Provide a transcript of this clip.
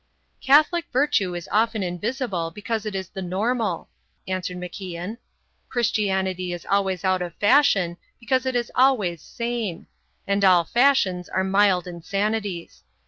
"Catholic virtue is often invisible because it is the normal," answered MacIan. "Christianity is always out of fashion because it is always sane; and all fashions are mild insanities.